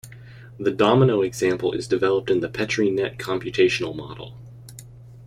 The domino example is developed in the Petri net computational model.